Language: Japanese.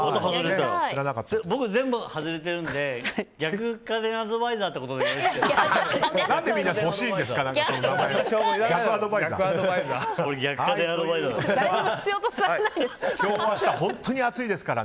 僕、全部外れてるので逆家電製品アドバイザーということでいいですか？